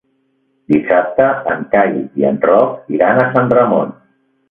Dissabte en Cai i en Roc iran a Sant Ramon.